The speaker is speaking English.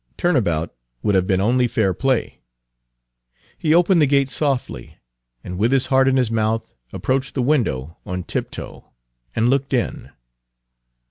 Turn about would have been only fair play. He opened the gate softly, and with his heart in his mouth approached the window on tiptoe and looked in.